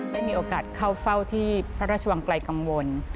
ได้มีโอกาสเข้าเฝ้าที่พระราชวังไกลกังวล